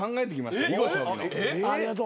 ありがとう。